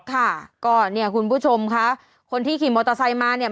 ค่ะก็เนี่ยคุณผู้ชมค่ะคนที่ขี่มอเตอร์ไซค์มาเนี่ย